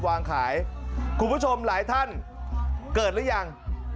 วางขายคุณผู้ชมหลายท่านเกิดหรือยัง